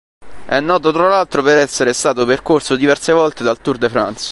È noto tra l'altro per essere stato percorso diverse volte dal Tour de France.